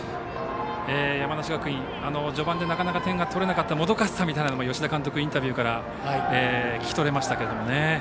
山梨学院、序盤でなかなか点が取れなかったもどかしさみたいなものを吉田監督のインタビューから聞き取れましたけれどもね。